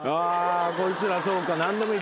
こいつらそうか。